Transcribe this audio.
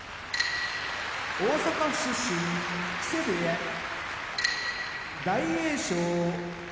大阪府出身木瀬部屋大栄翔